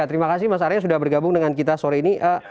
terima kasih mas arya sudah bergabung dengan kita sore ini